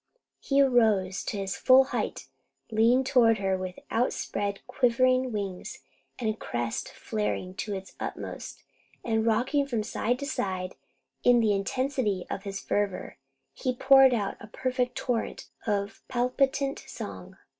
He arose to his full height, leaned toward her with outspread quivering wings, and crest flared to the utmost, and rocking from side to side in the intensity of his fervour, he poured out a perfect torrent of palpitant song.